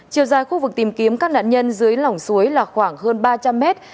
chiều dài khu vực tìm kiếm các nạn nhân dưới lỏng suối là khoảng hơn ba trăm linh mét